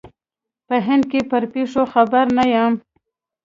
په هند کې پر پېښو خبر نه یم.